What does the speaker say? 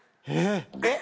えっ！